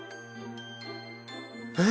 えっ？